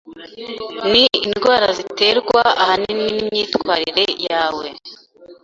ni indwara ziterwa ahanini n’imyitwarire yawe,